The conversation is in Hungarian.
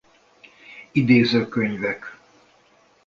Idéző Könyvek.